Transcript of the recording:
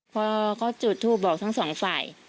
พอเขาจุดทูปบอกทั้งสองฝ่าย